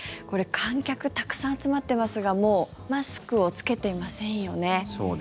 観客たくさん集まっていますがもうマスクを着けてませんよね。